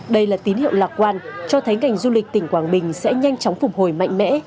đây là tín hiệu lạc quan cho thấy ngành du lịch tỉnh quảng bình sẽ nhanh chóng phục hồi mạnh mẽ